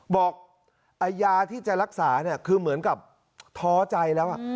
บอกไอ้ยาที่จะรักษาเนี่ยคือเหมือนกับท้อใจแล้ว